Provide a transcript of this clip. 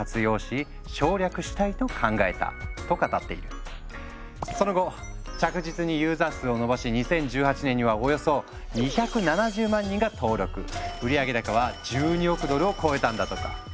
創業者のカトリーナ・レイクはその後着実にユーザー数を伸ばし２０１８年にはおよそ２７０万人が登録売上高は１２億ドルを超えたんだとか。